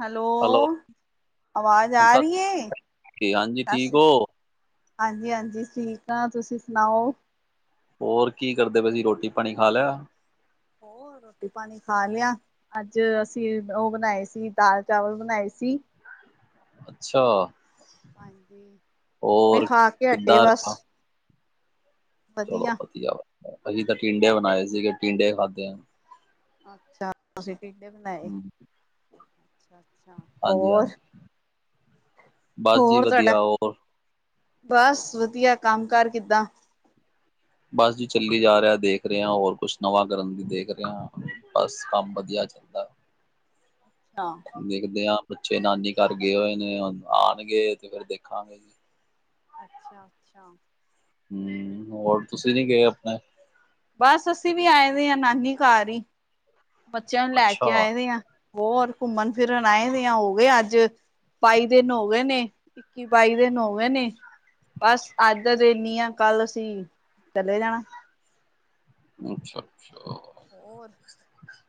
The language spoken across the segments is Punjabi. ਹੈਲੋ, ਆਵਾਜ਼ ਆ ਸਤਿ ਰੀ ਏ ਸ਼੍ਰੀ ਅਕਾਲ ਹਾਂਜੀ ਠੀਕ ਸਾਸੀ ਹੋ ਹਾਂਜੀ, ਹਾਂਜੀ ਠੀਕ ਆਂ। ਤੁਸੀਂ ਸੁਣਾਓ। ਹੋਰ ਕੀ ਕਰਦੇ ਪੇ ਸੀ, ਰੋਟੀ-ਪਾਣੀ ਖਾ ਲਿਆ? ਰੋਟੀ-ਪਾਣੀ ਖਾ ਲਿਆ। ਅੱਜ ਅਸੀਂ ਓ ਬਣਾਏ ਸੀ, ਦਾਲ ਚਾਵਲ ਬਣਾਏ ਸੀ। ਅੱਛਾ ਨਈ, ਹੋਰ ਖਾ ਕੇ ਹਟੇ ਕਿੱਦਾਂ ਬਸ। ਰਿਹਾ ਚਲੋ ਵਧੀਆ, ਅਹੀਂ ਤਾਂ ਟੀਂਡੇ ਬਣਾਏ ਸੀਗੇ, ਟੀਂਡੇ ਖਾਦੇ। ਅੱਛਾ ਤੁਸੀਂ ਟਿਂਡੇ ਬਣਾਏ, ਹਮ, ਅਛਾ, ਅੱਛਾ। ਹਾਂਜੀ ਹੋਰ। ਹਾਂਜੀ ਬਸ ਜੀ ਹੋਰ ਤੁਆਡਾ ਵਧੀਆ ਹੋਰ ਬਸ, ਵਧੀਆ। ਕੰਮ ਕਾਰ ਕਿੱਦਾਂ? ਬਸ ਜੀ ਚੱਲੀ ਜਾ ਰਿਆ। ਦੇਖ ਰਿਆ ਹੋਰ ਕੁਛ ਨਵਾਂ ਕਰਨ ਦੀ ਦੇਖ ਰਿਆ, ਬਸ ਕੰਮ ਵਧੀਆ ਦਾ ਅੱਛਾ। ਦੇਖਦੇ ਆਂ, ਬੱਚੇ ਨਾਨੀ ਘਰ ਗਏ ਹੋਏ ਨੇ ਹੁਣ ਆਣਗੇ ਤੇ ਫੇਰ ਦੇਖਾਂਗੇ। ਅੱਛਾ, ਅੱਛਾ। ਹਂ, ਹੋਰ ਤੁਸੀਂ ਨੀ ਗਏ ਅਪਣੇ ਬਸ ਅਸੀਂ ਵੀ ਆਏ ਦੇ ਆਂ ਨਾਨੀ ਘਰ ਈ, ਬੱਚਿਆਂ ਨੂੰ ਲੈ ਅੱਛਾ ਕੇ ਆਏ ਦੇ ਆਂ। ਹੋਰ ਘੁੰਮਣ-ਫਿਰਨ ਆਏ ਦੇ ਆਂ, ਹੋ ਗਏ ਅੱਜ ਬਾਈ ਦਿਨ ਹੋ ਗਏ ਨੇ। ਇੱਕੀ-ਬਾਈ ਦਿਨ ਹੋ ਗਏ ਨੇ। ਬਸ ਅੱਜ ਦਾ ਦਿਨ ਈ ਐ, ਕੱਲ ਅਸੀਂ ਚਲੇ ਜਾਣਾ। ਅੱਛਾ, ਅੱਛਾ। ਹੋਰ।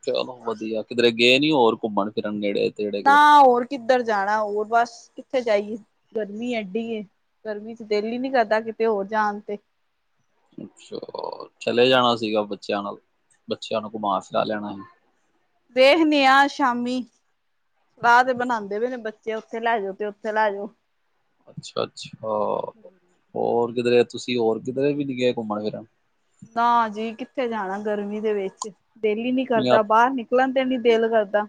ਚਲੋ ਵਧੀਆ, ਕਿਧਰੇ ਗਏ ਨੀਂ ਹੋਰ ਘੁੰਮਣ-ਫਿਰਨ ਨੇੜੇ। ਤੇੜੇ ਨਾ ਕਿਧਰੇ ਹੋਰ ਕਿੱਧਰ ਜਾਣਾ ਹੋਰ ਬਸ, ਕਿੱਥੇ ਜਾਈਏ ਗਰਮੀ ਐਢੀ ਐ। ਗਰਮੀ ਚ ਦਿਲ ਈ ਨੀਂ ਕਰਦਾ ਕਿਤੇ ਹੋਰ ਜਾਣ ਤੇ। ਅੱਛਾ ਚਲੇ ਜਾਣਾ ਸੀਗਾ ਬੱਚਿਆਂ ਨਾਲ। ਬੱਚਿਆਂ ਨੂੰ ਘੁਮਾ ਫਿਰਾ ਲੈਣਾ ਹੀ। ਵੇਖਣੇ ਆਂ ਸ਼ਾਮੀ, ਸਲਾਹ ਤੇ ਬਣਾਂਦੇ ਪੇ ਨੇ ਬ ਚੇ ਓਥੇ ਲੈ ਜੋ ਤੇ ਓਥੇ ਲੈ ਜੋ। ਅੱਛਾ, ਅੱਛਾ ਹੋਰ ਕਿਧਰੇ ਤੁਸੀਂ ਹੋਰ ਕਿਧਰੇ ਵੀ ਨੀਂ ਗੇਏ ਘੁੰਮਣ-ਫਿਰਨ। ਨਾ ਜੀ ਕਿੱਥੇ ਜਾਣਾ ਗਰਮੀ ਦੇ ਵਿੱਚ ਦੇਲੀ ਨੀਂ ਕਰਦਾ ਨਹੀਂ ਬਾਰ ਨਿਕਲ ਨਿਕਲਣ ਤੇ ਨੀਂ ਦਿਲ ਕਰਦਾ।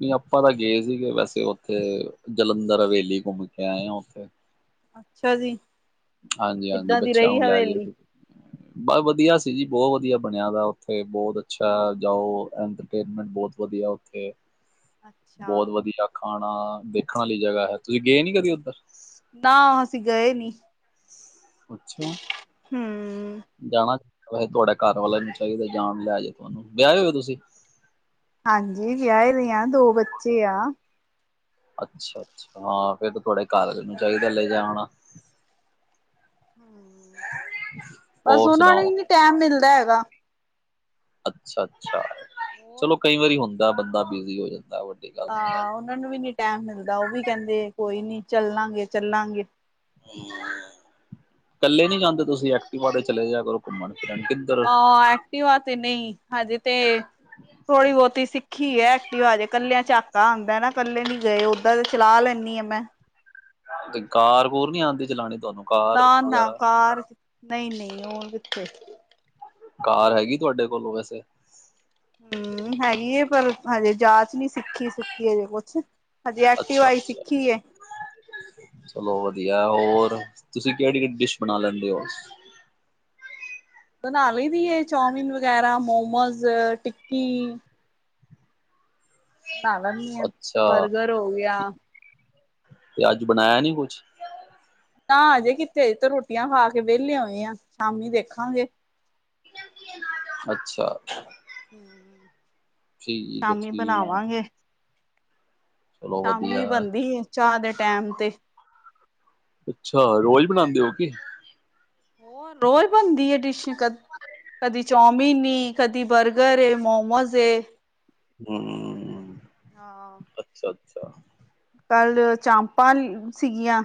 ਨ੍ਹੀਂ ਆਪਾਂ ਤਾਂ ਗਏ ਸੀਗੇ, ਵੈਸੇ ਉੱਥੇ ਜਲੰਧਰ ਹਵੇਲੀ ਘੁੰਮ ਕੇ ਆਏ ਆਂ ਓਥੇ। ਅੱਛਾ ਜੀ, ਹਾਂਜੀ ਹਾਂਜੀ ਕਿੱਦਾਂ ਦੀ ਬੱਚਿਆਂ ਰਈ ਨੂੰ ਲੈ ਗਏ ਹਵੇਲੀ। ਸੀ ਬਸ ਵਧੀਆ ਸੀ ਜੀ ਬੋਤ ਵਧੀਆ ਬਣਿਆ ਦਾ ਓਥੇ ਬਹੁਤ ਅੱਛਾ ਜਾਓ। ਐਂਟਰਟੇਨਮੈਂਟ ਬੋਤ ਵਧੀਆ। ਬੋਤ ਅੱਛਾ, ਵਧੀਆ ਖਾਣਾ, ਦੇਖਣ ਵਾਲੀ ਜਗ੍ਹਾ ਐ ਤੁਹੀਂ ਗਏ ਨੀ ਕਦੀ ਉੱਧਰ ਨਾ ਅਸੀਂ ਗਏ ਨੀ। ਅੱਛਾ। ਹੂੰ। ਜਾਣਾ, ਵੇਹੇ ਤੁਆਡਾ ਘਰ ਵਾਲਿਆਂ ਨੂੰ ਚਾਈਦਾ ਜਾਣ ਲੈ ਜੇ, ਵਿਆਏ ਹੋਏ ਓ ਤੁਸੀਂ? ਹਾਂਜੀ, ਵਿਆਏ ਦੇ ਆਂ ਦੋ ਬੱਚੇ ਆ। ਅੱਛਾ, ਅੱਛਾ। ਹਾਂ, ਫਿਰ ਤੁਆਡੇ ਘਰਆਲੇ ਨੂੰ ਚਾਈਦਾ ਲੈ ਜਾਣਾ। ਬਸ ਹੋਰ ਓਨਾਂ ਨੂੰ ਸੁਣਾਓ ਈ ਨੀਂ ਟੈਮ ਮਿਲਦਾ ਹੈਗਾ। ਅੱਛਾ, ਅੱਛਾ ਹੋਰ। ਚਲੋ, ਕਈ ਵਾਰੀ ਹੁੰਦਾ ਬੰਦਾ ਬਿਜੀ ਹੋ ਜਾਂਦਾ। ਵੱਡਾ ਹਾਂ, ਓਨਾਂ ਨੂੰ ਵੀ ਨੀਂ ਟੈਮ ਮਿਲਦਾ, ਓ ਵੀ ਕੈਂਦੇ ਕੋਈ ਨੀਂ ਚੱਲਾਂਗੇ, ਚੱਲਾਂਗੇ। ਕੱਲੇ ਨੀਂ ਜਾਂਦੇ ਹੂੰ। ਤੁਸੀਂ, ਐਕਟੀਵਾ ਤੇ ਚਲੇ ਜਿਆ ਕਰੋ ਘੁੰਮਣ-ਫਿਰਨ। ਹਾਂ, ਐਕਟਿਵਾ ਤੇ ਨਈਂ, ਹਜੇ ਤੇ ਥੋੜੀ-ਬੋਤੀ ਸਿੱਖੀ ਏ ਐਕਟੀਵਾ ਅਜੇ ਕੱਲੇਆਂ ਝਾਕਾ ਆਂਦੈ ਨਾ ਕੱਲੇ ਨੀ ਗਏ ਓ ਤੇ ਚਲਾ ਲੈਂਨੀ ਆਂ ਮੈਂ। ਕਾਰ-ਕੁਰ ਨੀ ਆਂਦੀ ਚਲਾਣੀ ਤੋਆਨੂੰ? ਨਾ, ਨਾ ਕਾਰ ਨਈ, ਨਈ ਓ ਕਿਥੇ ਕਾਰ ਹੈਗੀ ਤੋਆਡੇ ਕੋਲੋ ਵੈਸੇ? ਹੂੰ, ਹੈਗੀ ਏ ਪਰ ਹਜੇ ਜਾਚ ਨੀ ਸਿੱਖੀ-ਸੁਖੀ ਹਜੇ ਕੋਛ। ਅੱਛਾ, ਅੱਛਾ। ਚਲੋ ਵਧੀਆ ਹੋਰ, ਤੁਸੀ ਕੇੜੀ-ਕੇੜੀ ਡਿਸ਼ ਬਣਾ ਲੈਂਦੇ ਓ? ਬਣਾ ਲਈ ਦੀ ਏ ਚੌਮਿਨ ਵਗੈਰਾ, ਮੋਮੋਜ਼, ਟਿੱਕੀ। ਬਣਾ ਲੈਂਦੀ ਆ ਅੱਛਾ, ਬਰਗਰ ਹੋ ਗਿਆ ਤੇ ਅੱਜ ਬਣਾਏਆ ਨੀ ਕੁਛ? ਨਾ ਅਜੇ ਕਿੱਥੇ, ਅਜੇ ਤਾਂ ਰੋਟੀਆਂ ਖਾ ਕੇ ਵੇਲੇ ਹੋਏ ਆਂ, ਸ਼ਾਮੀ ਵਖਾਂਗੇ। ਅੱਛਾ। ਹੂੰ, ਠੀਕ ਹੈ ਸ਼ਾਮੀ ਠੀਕ ਬਣਾਵਾਂਗੇ। ਚਲੋ ਵਧੀਆ ਸ਼ਾਮੀ ਬਨਦੀ ਏ ਚਾ ਦੇ ਟੈਮ ਤੇ। ਅੱਛਾ ਰੋਜ ਬਣਾਂਦੇ ਓ ਕੀ? ਹੋਰ ਰੋਜ ਬਨਦੀ ਏ, ਡਿਸ਼ ਕ ਕਦੀ ਚੌਮੀਨ ਈ, ਕਦੀ ਬਰਗਰ ਏ, ਮੋਮੋਜ ਏ। ਹੂੰ। ਹਾਂ। ਅੱਛਾ, ਅੱਛਾ। ਕੱਲ ਚਾਂਪਾਂ ਸੀਗੀਆਂ,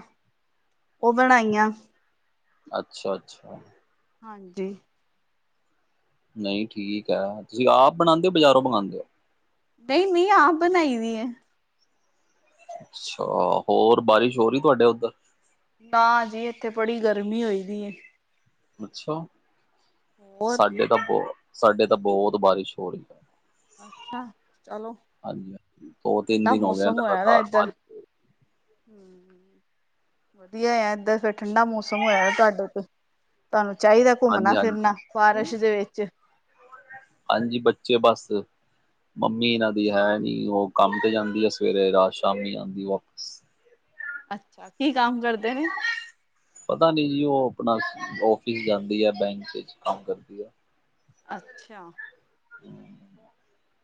ਓ ਬਣਾਈਆਂ। ਅੱਛਾ, ਅੱਛਾ। ਹਾਂਜੀ। ਨਈ ਠੀਕੈ, ਤੁਸੀ ਆਪ ਬਣਾਦੇ ਓ ਬਜਾਰੋਂ ਮਗਾਂਦੇ ਓ? ਨਈ, ਨਈ ਆਪ ਬਣਾਈ ਦੀ ਏ। ਅੱਛਾ, ਹੋਰ ਬਾਰਿਸ਼ ਹੋ ਹਾਂਜੀ। ਰੀ ਏ ਤੋਆਡੇ ਓਧਰ? ਨਾ ਜੀ, ਏਥੇ ਬੜੀ ਗਰਮੀ ਹੋਈ ਦੀ ਏ। ਅੱਛਾ, ਹੋਰ ਸਾਡੇ ਤਾਂ ਬੋ ਸਾਡੇ ਤਾਂ ਬੋਤ ਬਾਰਿਸ਼ ਹੋ ਰੀ ਏ। ਅੱਛਾ। ਚਲੋ ਹਾਂਜੀ, ਹਾਂਜੀ ਦੋ-ਤਿੰਨ ਠੰਡਾ ਦਿਨ ਹੋ ਗਏ ਮੌਸਮ ਹੋਇਆ ਦਾ ਲਗਾਤਾਰ ਬਾਰਿਸ਼ [inaudible] ਹੂੰ, ਵਧੀਆ ਆ ਏਧਰ ਫੇਰ ਠੰਡਾ ਮੌਸਮ ਹੋਏਆ ਤਾਡੇ ਤੇ। ਤਾਨੂੰ ਚਾਈਦੈ ਹਾਂਜੀ ਹਾਂਜੀ ਘੁੰਮਨਾ-ਫਿਰਨਾ ਬਾਰਸ਼ ਦੇ ਵੇਚ। ਹਾਂਜੀ, ਬੱਚੇ ਬਸ। ਮੰਮੀ ਇਨਾਂ ਦੀ ਹੈ ਨੀ, ਓ ਕੰਮ ਤੇ ਜਾਂਦੀ ਏ ਸਵੇਰੇ, ਰਾਤ ਸ਼ਾਮੀ ਆਂਦੀ ਏ ਵਾਪਸ। ਅੱਛਾ, ਕੀ ਕੰਮ ਕਰਦੇ ਨੇ? ਪਤਾ ਨੀ ਜੀ, ਓ ਅਪਣਾ ਔਫਿਸ ਜਾਂਦੀ ਏ ਬੈਂਕ ਚ ਕੰਮ ਕਰਦੀ ਏ। ਅੱਛਾ। [inaudible]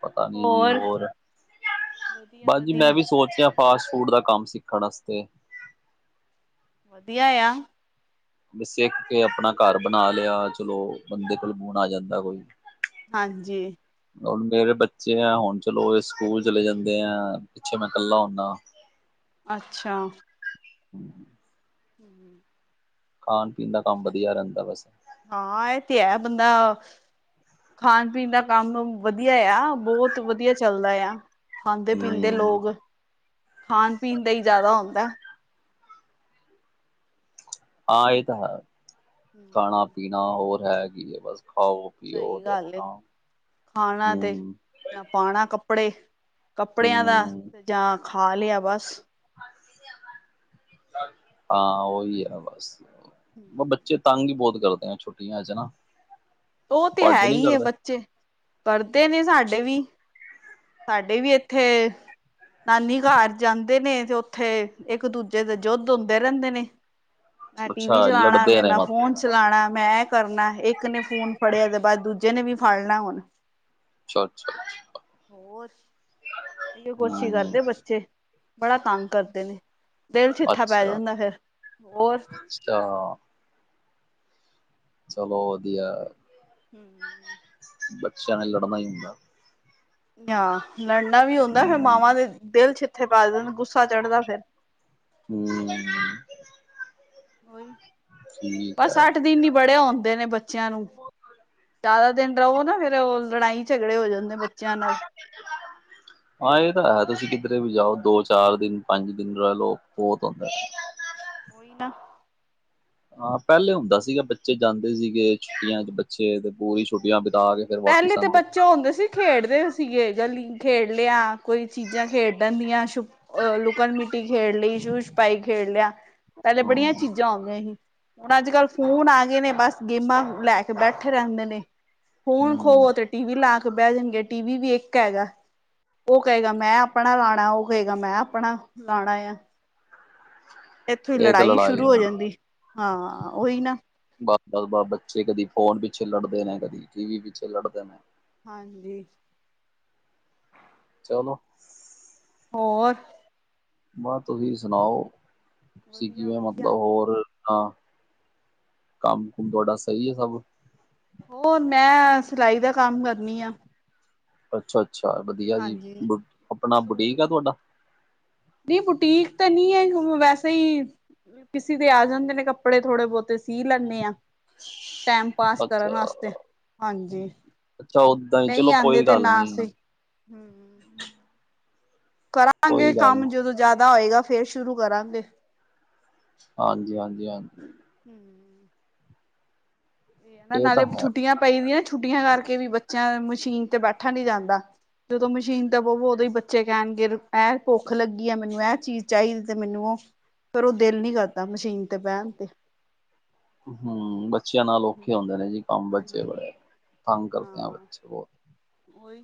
ਪਤਾ ਨੀ ਜੀ ਹੋਰ, ਵਧੀਆ ਬਸ ਜੀ ਮੈਂ ਵਧੀਆ ਵੀ ਸੋਚ ਫਾਸਟ-ਫੂਡ ਦਾ ਕੰਮ ਸਿੱਖਣ ਅਸਤੇ। ਵਧੀਆ ਆ। ਬੀ ਸਿੱਖ ਕੇ ਅਪਣਾ ਘਰ ਬਣਾ ਲੇਆ, ਚਲੋ ਬੰਦੇ ਕੋਲ ਗੁਣ ਆ ਜਾਂਦੈ ਕੋਈ। ਹਾਂਜੀ। ਮੇਰੇ ਬੱਚੇ ਐ, ਹੁਣ ਚਲੋ ਏ ਸਕੂਲ ਚਲੇ ਜਂਦੇ ਐ, ਪਿੱਛੇ ਮੈਂ ਕੱਲਾ ਹੋਨਾ। ਅੱਛਾ। [inaudible] [inaudible] ਖਾਣ- ਪੀਣ ਦਾ ਕੰਮ ਵਧੀਆ ਰਹਿੰਦਾ ਬਸ। ਹਾਂ ਇਹ ਤੇ ਹੈ, ਬੰਦਾ ਖਾਣ- ਪੀਣ ਦਾ ਕੰਮ ਵਧੀਆ ਆ, ਬਹੁਤ ਵਧੀਆ ਚੱਲਦਾ ਆ। ਖਾਂਦੇ ਪੀਂਦੇ ਹੂੰ ਲੋਕ, ਖਾਣ ਪੀਣ ਦਾ ਹੀ ਜ਼ਿਆਦਾ ਹੁੰਦਾ। ਹਾਂ ਇਹ ਤਾਂ ਹੈ, ਖਾਣਾ ਪੀਣਾ ਹੋਰ ਹੈ, ਕੀ ਬਸ ਖਾਓ। ਪੀਓ ਸਹੀ ਤੇ ਗੱਲ ਹੈ, ਆਪਣਾ ਖਾਣਾ ਤੇ ਹੂੰ ਜਾਂ ਪਾਣਾ ਕੱਪੜੇ, ਕੱਪੜਿਆਂ ਦਾ ਹੂੰ ਜਾਂ ਖਾ ਲਿਆ ਬਸ। ਹਾਂ, ਉਹੀ ਆ ਬਸ। [inaudible] ਬੱਚੇ ਤੰਗ ਈ ਬਹੁਤ ਕਰਦੇ ਐ ਛੁੱਟੀਆਂ ਚ ਨਾ। ਓਹ ਤੇ ਹੈ ਤੁਹਾਡੇ ਨੀ ਹੀ ਏ ਕਰਦੇ? ਬੱਚੇ ਕਰਦੇ ਨੇ ਸਾਡੇ ਵੀ। ਸਾਡੇ ਵੀ ਇੱਥੇ ਨਾਨੀ ਘਰ ਜਾਂਦੇ ਨੇ, ਤੇ ਓਥੇ ਇੱਕ-ਦੂਜੇ ਦੇ ਯੁੱਧ ਹੁੰਦੇ ਰਹਿੰਦੇ ਨੇ। ਮੈਂ ਟੀ ਅੱਛਾ ਵੀ ਚਲਾਣਾ ਲੜਦੇ ਵੇ, ਨੇ ਮੈਂ ਮਤ ਫੋਨ ਚਲਾਣਾ, ਮੈਂ ਐ ਕਰਨਾ, ਇੱਕ ਨੇ ਫੋਨ ਫੜਿਆ ਦੇ ਬਾਅਦ ਦੂਜੇ ਨੇ ਵੀ ਫੜਣਾ ਹੁਣ। ਅੱਛਾ-ਅੱਛਾ। ਹੋਰ, ਇਹੀ ਕੁਛ ਹਮ ਕਰਦੇ ਬੱਚੇ, ਬੜਾ ਤੰਗ ਕਰਦੇ ਨੇ। ਦਿਲ ਛਿਥਾ ਪੈ ਜਾਂਦੈ ਫੇਰ, ਹੋਰ ਅਛਿਆ। [unintelligible] ਚਲੋ ਵਧੀਆ ਐ। ਹੂੰ-ਹੂੰ। ਬੱਚਿਆ ਲੜਨਾ ਈ ਹੁੰਦਾ। ਆ ਲੜਨਾ ਵੀ ਹੁੰਦਾ, ਫੇਰ ਮਾਵਾਂ ਹਮ ਦੇ ਦਿਲ ਛਿੱਥੇ ਪਾ ਦੇਂ ਦੇ, ਗੁੱਸਾ ਚੜਦਾ ਫੇਰ। ਹੂੰ। ਓਹੀ, ਬਸ ਅੱਠ ਦਿਨ ਈ ਬੜੇ ਹੁੰਦੇ ਨੇ ਬੱਚਿਆਂ ਨੂੰ, ਜਾਦਾ ਦਿਨ ਰਹੋ ਨਾ, ਫੇਰ ਉਹ ਲੜਾਈ ਝਗੜੇ ਹੋ ਜਾਂਦੇ ਬੱਚਿਆਂ ਨਾਲ। ਹਾਂ ਏ ਤਾਂ ਹੈ, ਤੁਸੀਂ ਕਿਧਰੇ ਵੀ ਜਾਓ ਦੋ ਚਾਰ ਦਿਨ ਪੰਜ ਦਿਨ ਰਹਿ ਲਉ ਬਹੁਤ ਹੁੰਦੈ। ਉਹੀ ਤਾਂ। ਹਾਂ ਪਹਿਲੇ ਹੁੰਦਾ ਸੀਗਾ, ਬੱਚੇ ਜਾਂਦੇ ਸੀਗੇ ਛੁੱਟੀਆਂ ਚ, ਬੱਚੇ ਤੇ ਪੂਰੀ ਛੁੱਟੀਆਂ ਬਿਤਾ ਕੇ ਫਿਰ ਪਹਿਲੇ ਵਾਪਿਸ ਤਾਂ ਆਉਂਦੇ। ਬੱਚੇ ਹੁੰਦੇ ਸੀ ਖੇਡਦੇ ਸੀ ਗੇ, ਗਲੀ ਖੇਡ ਲਿਆ, ਕੋਈ ਚੀਜ਼ਾਂ ਖੇਡਣ ਦੀਆ, ਸ਼ ਉਹ ਲੁਕਣ-ਮਿੱਟੀ ਖੇਡ ਲਈ, ਸ਼ੂਪਨ ਛਪਾਈ ਖੇਡ ਲਿਆ, ਪਹਿਲੇ ਹਮ ਬੜੀਆਂ ਚੀਜ਼ਾਂ ਜਾਦੇ ਸੀ, ਹੁਣ ਅੱਜ-ਕੱਲ੍ਹ ਫੋਨ ਆ ਗਏ ਨੇ ਬਸ ਗੇਮਾਂ ਲੈ ਕੇ ਬੈਠੇ ਰਹਿੰਦੇ ਨੇ। ਫੋਨ ਹਮ ਖੋਵੋ ਤੇ ਟੀ ਵੀ ਲਾ ਕੇ ਬਹਿ ਜਾਣਗੇ, ਟੀ ਵੀ ਵੀ ਇੱਕ ਹੈਗਾ। ਉਹ ਕਹੇਗਾ ਮੈਂ ਆਪਣਾ ਲਾਣਾ, ਉਹ ਕਹੇਗਾ ਮੈਂ ਆਪਣਾ ਲਾਣਾ ਏ ਆ। ਇੱਥੋਂ ਹੀ ਇਹ ਤਾਂ ਲੜਾਈ ਸ਼ੁਰੂ ਹੋ ਹੁੰਦੀ। ਜਾਂਦੀ, ਹਾਂ ਉਹੀ ਨਾ। ਬਸ- ਬਸ -ਬਸ ਬੱਚੇ ਕਦੀ ਫੋਨ ਪਿੱਛੇ ਲੜਦੇ ਰਹਿੰਦੇ ਨੇ, ਕਦੀ ਟੀ ਵੀ ਪਿੱਛੇ ਲੜਦੇ ਨੇ। ਹਾਂਜੀ। ਚਲੋ। ਹੋਰ। ਬਸ ਤੁਸੀਂ ਸੁਣਾਓ ਸੀ ਵਧੀਆ ਕਿਵੇਂ ਮਤਲਬ ਵਧੀਆ ਹੋਰ ਹਾਂ, ਕੰਮ ਕੁਮ ਤੁਹਾਡਾ ਸਹੀ ਐ ਸਭ? ਹੋਰ ਮੈਂ, ਸਿਲਾਈ ਦਾ ਕੰਮ, ਕਰਨੀ ਆ ਅੱਛਾ-ਅੱਛਾ ਵਧੀਆ ਜੀ, ਹਾਂਜੀ। ਬ ਆਪਣਾ ਸੂਟ ਬੁਟੀਕ, ਆ ਤੁਹਾਡਾ? ਨਹੀਂ, ਬੁਟੀਕ ਤੇ ਨਈ ਐ, ਉ ਵੈਸੇ ਈ ਕਿਸੇ ਦੇ ਆ ਜਾਂਦੇ ਨੇ, ਕੱਪੜੇ ਥੋੜੇ -ਬਹੁਤੇ ਸੀ ਲੈਂਣੇ ਆ ਟੈਮ ਪਾਸ, ਅੱਛਾ ਕਰਨ ਆਸਤੇ ਹਾਂਜੀ ਅੱਛਾ ਓਦਾਂ ਹੀ ਨਹੀਂ ਚਲੋ ਆਦੇ, ਕੋਈ ਤੇ ਗੱਲ ਨਾ ਨਹੀਂ ਸਈ ਕਰਾਂਗੇ ਕੋਈ ਗੱਲ ਕੰਮ, ਨਹੀਂ ਜਦੋਂ ਜ਼ਿਆਦਾ ਹੋਏਗਾ, ਫੇਰ ਸ਼ੁਰੂ ਕਰਾਂਗੇ ਹਾਂਜੀ-ਹਾਂਜੀ ਹਾਂਜੀ ਹੂੰ। [inaudible] [unintelligible] ਇਹ ਤਾਂ ਨਾਲੇ ਹੈ ਛੁੱਟੀਆਂ, ਪਈ ਦੀਆਂ ਨਾ, ਛੁੱਟੀਆਂ ਕਰਕੇ ਵੀ ਬੱਚਿਆਂ ਨਾਲ, ਮਸ਼ੀਨ ਤੇ ਬੈਠਾ ਨਈ ਜਾਂਦਾ ਜਦੋਂ ਮਸ਼ੀਨ ਤੇ ਬਵੋ, ਉਦੋਂ ਹੀ ਬੱਚੇ ਕਹਿਣਗੇ ਐਹ ਭੁੱਖ ਲੱਗੀ ਐ, ਮੈਨੂੰ ਐਹ ਚੀਜ਼ ਚਾਹੀਦੀ, ਤੇ ਮੈਨੂੰ ਉਹ ਪਰ ਓ ਦਿਲ ਨਈ ਕਰਦਾ, ਮਸ਼ੀਨ ਤੇ ਬਹਿਣ ਤੇ ਹੂੰ, ਬੱਚਿਆਂ ਨਾਲ ਔਖੇ ਹਮ ਹੁੰਦੇ ਨੇ ਜੀ ਕੰਮ, ਬੱਚੇ ਹਾਂਜੀ ਬੜੇ ਤੰਗ ਕਰਦੇ ਆ ਬੱਚੇ ਬਹੁਤ ਓਈ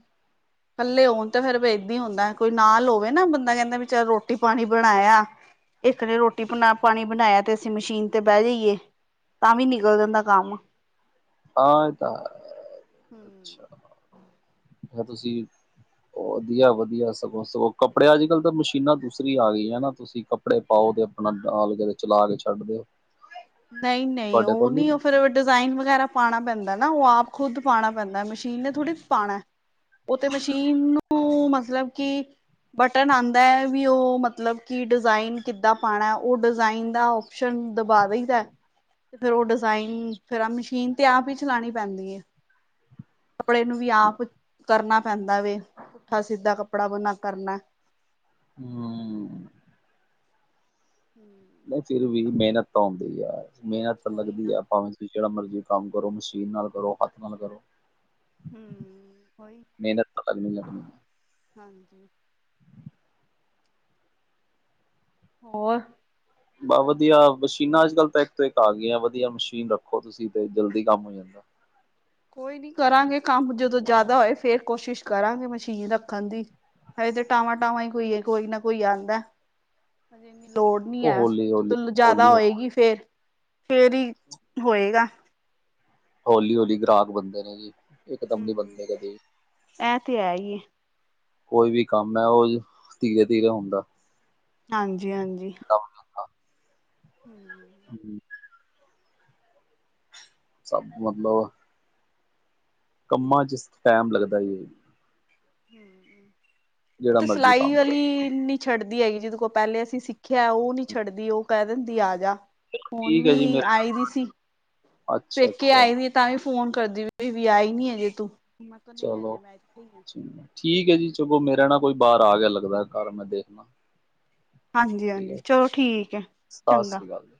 ਇਕੱਲੇ ਹੋਣ ਤੇ ਫੇਰ ਵੇਖ ਏਦਾ ਹੁੰਦਾ, ਕੋਈ ਨਾਲ ਹੋਵੇ ਨਾ ਬੰਦਾ ਕਹਿੰਦਾ ਵੀ, ਚੱਲ ਰੋਟੀ- ਪਾਣੀ ਬਣਾਇਆ ਇੱਕ ਨੇ ਰੋਟੀ- ਪਾਣੀ ਬਣਾਇਆ, ਤੇ ਅਸੀਂ ਮਸ਼ੀਨ ਤੇ ਬਹਿ ਜਾਈਏ ਤਾਂ ਵੀ, ਨਿਕਲ ਜਾਂਦਾ ਕੰਮ ਹਾਂ ਇਹ, ਤਾਂ ਹੂੰ। ਅੱਛਾ [inaudible] ਤੇ ਤੁਸੀਂ ਵਧੀਆ-ਵਧੀਆ ਸਗੋਂ -ਸਗੋਂ ਕੱਪੜਿਆ ਅੱਜ -ਕੱਲ੍ਹ ਤਾਂ ਮਸ਼ੀਨਾਂ ਦੂਸਰੀ ਆ ਗਈਆਂ ਨਾ, ਤੁਸੀਂ ਕੱਪ, ਕੱਪੜੇ ਪਾਓ, ਤੇ ਆਪਣਾ ਲਾ ਕੇ ਚਲਾ ਕੇ, ਛੱਡ ਦੇ ਹਾਂਜੀ-ਹਾਂਜੀ ਨਹੀਂ-ਨਹੀਂ ਉਹ ਨਹੀਂ, ਉਹ ਫੇਰ ਡਿਜ਼ਾਇਨ ਵਗੈਰਾ ਪਾਉਣਾ ਪੈਂਦਾ ਨਾ, ਉਹ ਆਪ ਖੁੱਦ, ਪਾਉਣਾ ਪੈਂਦਾ ਮਸ਼ੀਨ ਮਸ਼ੀਨ ਨੇ ਥੋੜ੍ਹੀ ਪਾਣਾ, ਉਹ ਤੇ ਮਸ਼ੀਨ ਨੂੰ ਮਤਲਬ ਕਿ ਬਟਨ ਆਦਾ, ਵੀ ਉਹ ਮਤਲਬ ਕਿ ਡਿਜ਼ਾਇਨ, ਕਿੱਦਾਂ ਪਾਣਾ, ਉਹ ਡਿਜ਼ਾਇਨ ਦਾ ਸ਼ਨ, ਦਬਾ ਦਈਦਾ ਤੇ, ਫੇਰ ਉਹ ਡਿਜ਼ਾਇਨ, ਫੇਰ ਮਸ਼ੀਨ ਤੇ ਆਪ ਹੀ ਚਲਾਣੀ ਪੈਂਦੀ ਏ ਕੱਪੜੇ ਨੂੰ ਵੀ, ਆਪ ਕਰਨਾ ਪੈਂਦਾ ਵੈ, ਪੁਠਾ -ਸਿੱਧਾ ਕੱਪੜਾ ਬਨਾ ਕਰਨਾ ਹੂੰ ਹੂੰ, ਹੂੰ, ਹੂੰ। [inaudible] ਨਹੀਂ ਫਿਰ ਵੀ, ਮਿਹਨਤ ਤਾਂ ਆਦੀ ਆ। ਮਿਹਨਤ ਉਹੀ ਲੱਗਦੀ ਨਾ ਆ ਭਾਵੇਂ ਜਿਹੜਾ ਮਰਜ਼ੀ ਕੰਮ ਕਰੋ, ਮਸ਼ੀਨ ਨਾਲ ਕਰੋ, ਹੱਥ ਨਾਲ ਕਰੋ ਹੂੰ ਉਹੀ ਮਿਹਨਤ ਤਾਂ, ਲੱਗਣੀ- ਲੱਗਣੀ ਹਾਂਜੀ। ਹੋਰ ਬ ਵਧੀਆ ਮਸ਼ੀਨਾਂ, ਅੱਜ- ਕੱਲ੍ਹ ਤਾਂ ਇੱਕ ਤੋਂ ਇੱਕ ਆ ਗਈਆਂ, ਵਧੀਆ ਮਸ਼ੀਨ ਰੱਖੋ, ਤੁਸੀਂ ਤੇ ਜਲਦੀ ਕੰਮ ਹੋ ਜਾਂਦਾ ਕੋਈ ਨੀ ਕਰਾਂਗੇ ਕੰਮ, ਜਦੋਂ ਜ਼ਿਆਦਾ ਹੋਏ ਫੇਰ, ਕੋਸ਼ਿਸ਼ ਕਰਾਂਗੇ ਮਸ਼ੀਨ ਰੱਖਣ ਦੀ ਹਜੇ ਤਾਂ ਟਾਵਾਂ-ਟਾਵਾਂ ਹੀ ਕੋਈ -ਕੋਈ ਨਾ ਕੋਈ ਆਦਾ ਹਜੇ ਇੰਨੀ ਲੋੜ ਨੀ, ਉਹ ਹੈ ਹੌਲੀ ਹੌਲੀ ਜਦੋਂ ਜ਼ਿਆਦਾ ਹੌਲੀ ਹੋਏਗੀ ਫੇਰ, ਹੀ ਹੋਏਗਾ। ਹੌਲੀ-ਹੌਲੀ ਗਾਹਕ ਬੰਨਦੇ ਨੇ ਜੀ ਇਕਦਮ ਨੀ ਹੂੰ, ਬੰਦੇ ਕਦੇ ਐ ਤੇ ਹੈ ਹੀ ਐ ਕੋਈ ਵੀ ਕੰਮ ਹੈ, ਉਹ ਧੀਰੇ ਧੀਰੇ ਹੁੰਦਾ ਹਾਂਜੀ-ਹਾਂਜੀ ਹੂੰ ਹੂੰ। [unintelligible] ਹੂ ਸਭ ਮਤਲਬ ਆ ਕੰਮਾਂ ਚ ਟਾਈਮ ਲੱਗਦਾ ਈ ਉਹ ਜਿਹੜਾ ਤੇ ਮਰਜੀ ਸਿਲਾਈ ਕੰਮ ਕਰੋ। ਵਾਲੀ ਨ ਛੱਡਦੀ ਹੈਗੀ। ਜਿਹਦੇ ਕੋਲ ਪਹਿਲੇ ਅਸੀਂ ਸਿੱਖਿਆ। ਉਹ ਨੀ ਛੱਡਦੀ। ਉਹ ਕਹਿ ਦਿੰਦੀ ਆਜਾ। ਹੁਣ ਠੀਕ ਹੈ ਵੀ ਜੀ ਮੇਰਾ ਆਈ ਦੀ ਸੀ। ਪੇਕ ਕੇ ਅੱਛਾ-ਅੱਛਾ ਆਈ ਵਈ ਤਾਂ ਫੋਨ ਕਰਦੀ ਵੀ ਆਈ ਨਹੀਂ ਹਜੇ ਤੂੰ। ਮਤਲਬ ਨਹੀਂ ਚਲੋ। ਹਜੇ ਮੈਂ ਇਥੇ ਹੀ ਆ। ਜੀ, ਠੀਕ ਹੈ ਜੀ। ਚਲੋ ਮੇਰੇ ਨਾ ਕੋਈ ਬਾਹਰ ਆ ਗਿਆ ਲੱਗਦਾ। ਘਰ ਮੈਂ ਦੇਖਣਾ। ਠੀਕ ਹਾਂਜੀ-ਹਾਂਜੀ ਹੈ। ਚਲੋ ਠੀਕ ਹੈ। ਸਤਿ ਚੰਗਾ ਸ੍ਰੀ ਅਕਾਲ ਜੀ।